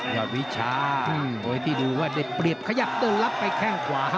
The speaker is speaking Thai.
อดวิชามวยที่ดูว่าได้เปรียบขยับเดินรับไปแข้งขวา